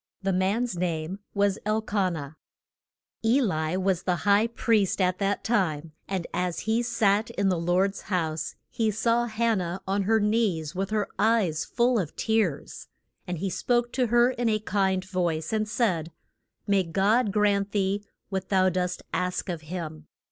The man's name was El ka nah. [Illustration: SAM U EL.] E li was the high priest at that time, and as he sat in the Lord's house he saw Han nah on her knees with her eyes full of tears. And he spoke to her in a kind voice, and said: May God grant thee what thou dost ask of him.